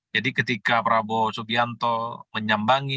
jadi ketika prabowo giuran subianto menyambangi